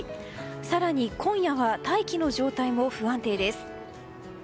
更に今夜は、大気の状態も不安定です。